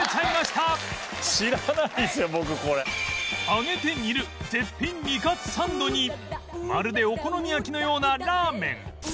揚げて煮る絶品煮かつサンドにまるでお好み焼きのようなラーメン